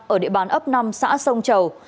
ở địa bàn ấp năm xã sông chầu